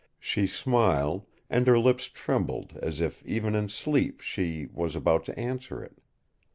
She smiled, and her lips trembled, as if even in sleep she was about to answer it.